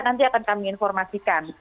nanti akan kami informasikan